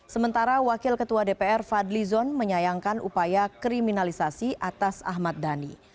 sementara wakil ketua dpr fadli zon menyayangkan upaya kriminalisasi atas ahmad dhani